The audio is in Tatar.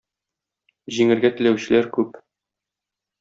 Җиңергә теләүчеләр күп.